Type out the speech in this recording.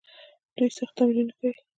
دوی سخت تمرینونه کوي.